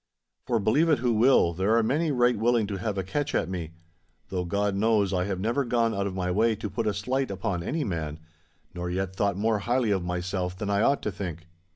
For, believe it who will, there are many right willing to have a catch at me; though, God knows, I had never gone out of my way to put a slight upon any man, nor yet thought more highly of myself than I ought to think.